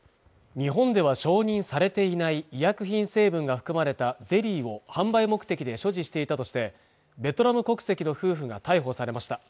日本では承認されていない医薬品成分が含まれたゼリーを販売目的で所持していたとしてベトナム国籍の夫婦が逮捕されました